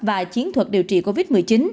và chiến thuật điều trị covid một mươi chín